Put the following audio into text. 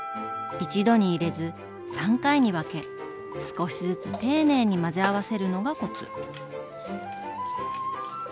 一度に入れず３回に分け少しずつ丁寧に混ぜ合わせるのがコツ。